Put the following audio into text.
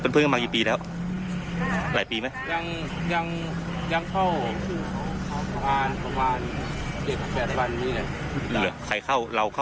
ทำงานที่เดียวกันนะคะ